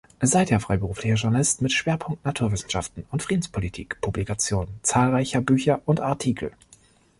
Seither freiberuflicher Journalist mit Schwerpunkt Naturwissenschaften und Friedenspolitik, Publikation zahlreicher Bücher und Artikel.